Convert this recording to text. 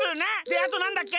であとなんだっけ？